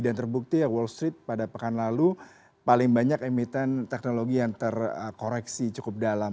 dan terbukti ya wall street pada pekan lalu paling banyak emiten teknologi yang terkoreksi cukup dalam